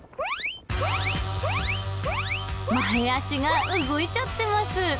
前足が動いちゃってます。